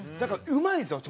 うまいんですよ